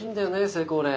成功例。